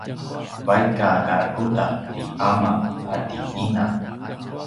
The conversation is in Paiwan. vaik a karakuda ti ama ati ina